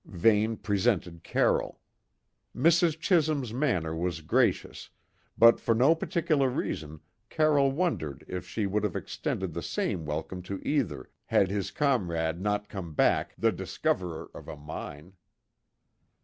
Vane presented Carroll. Mrs. Chisholm's manner was gracious; but for no particular reason Carroll wondered if she would have extended the same welcome to either, had his comrade not come back the discoverer of a mine.